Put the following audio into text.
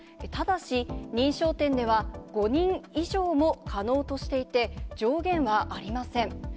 ただし、認証店では５人以上も可能としていて、上限はありません。